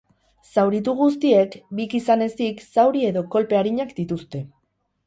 Zauritu guztiek, bik izan ezik, zauri edo kolpe arinak dituzte.